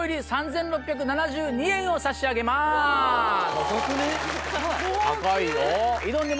高くね？